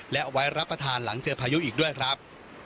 และเอาไว้รับประทานหลังเจอพายุอีกด้วยครับ